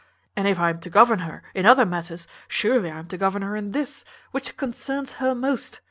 and if I am to govern her in other matters, surely I am to govern her in this, which concerns her most.